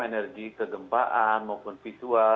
energi kegempaan maupun visual